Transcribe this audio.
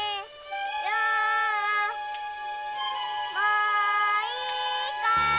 もういいかーい。